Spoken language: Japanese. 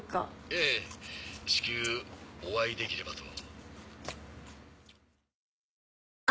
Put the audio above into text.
ええ至急お会いできればと。